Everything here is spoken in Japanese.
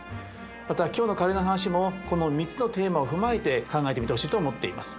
また今日のカレーの話もこの３つのテーマを踏まえて考えてみてほしいと思っています。